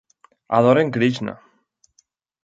Adoren Krishna.